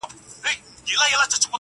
اسي پوهېږي، دوږخ ئې.